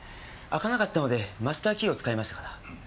開かなかったのでマスターキーを使いましたから。